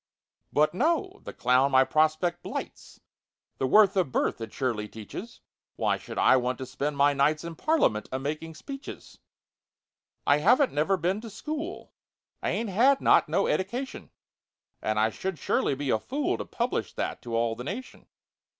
But no—the clown my prospect blights— (The worth of birth it surely teaches!) "Why should I want to spend my nights In Parliament, a making speeches? "I haven't never been to school— I ain't had not no eddication— And I should surely be a fool To publish that to all the nation!"